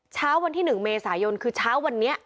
เช้าวันที่๑เมษายนคือเช้าวันนี้